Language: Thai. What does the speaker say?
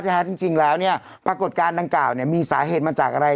แท้จริงแล้วเนี่ยปรากฏการณ์ดังกล่าวมีสาเหตุมาจากอะไร